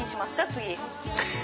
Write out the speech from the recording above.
次。